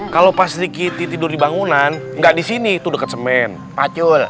kalau pasri kitty tidur di bangunan enggak disini itu deket semen pacul